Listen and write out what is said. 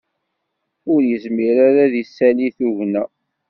Ur yezmir ara ad isali tugna.